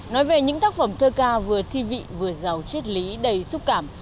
nói về những tác phẩm thơ ca vừa thi vị vừa giàu triết lý đầy xúc cảm